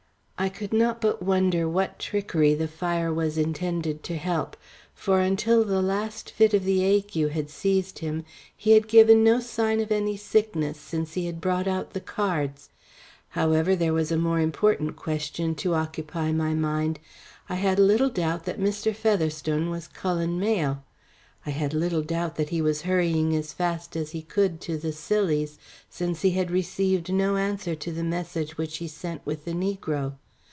I could not but wonder what trickery the fire was intended to help, for until the last fit of the ague had seized him, he had given no sign of any sickness since he had brought out the cards. However, there was a more important question to occupy my mind. I had little doubt that Mr. Featherstone was Cullen Mayle: I had little doubt that he was hurrying as fast as he could to the Scillies, since he had received no answer to the message which he sent with the negro.